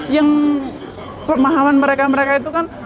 yang pemahaman mereka mereka itu kan